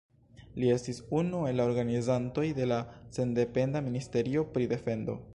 Li estis unu el la organizantoj de la sendependa ministerio pri defendo.